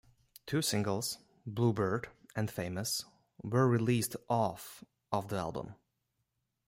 Two singles, "Blue Bird" and "Famous", were released off of the album.